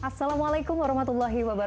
assalamualaikum wr wb